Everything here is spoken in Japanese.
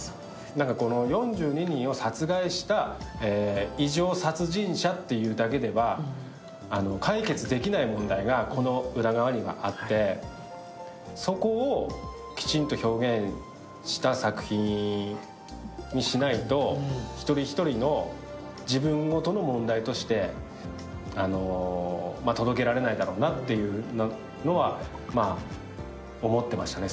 ４２人を殺害した異常殺人者というだけでは解決できない問題がこの裏側にはあってそこをきちんと表現した作品にしないと、１人１人の、自分のどの問題として届けられないだろうなっていうのは思ってましたね。